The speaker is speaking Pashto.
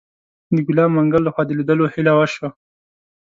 د ګلاب منګل لخوا د لیدو هیله شوه.